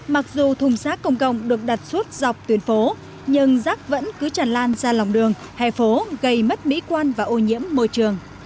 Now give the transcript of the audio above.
mặc dù thùng rác công cộng được đặt suốt dọc tuyến phố nhưng rác vẫn cứ tràn lan ra lòng đường hè phố gây mất mỹ quan và ô nhiễm môi trường